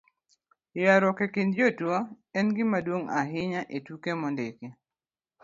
ywaruok e kind jotugo en gimaduong' ahinya e tuke mondiki